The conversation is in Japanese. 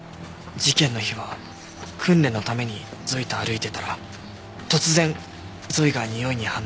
事件の日は訓練のためにゾイと歩いてたら突然ゾイがにおいに反応して。